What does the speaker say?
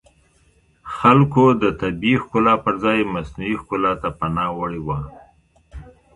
خلکو د طبیعي ښکلا پرځای مصنوعي ښکلا ته پناه وړې وه